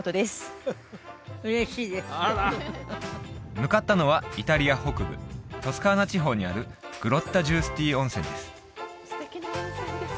向かったのはイタリア北部トスカーナ地方にあるグロッタ・ジュースティ温泉です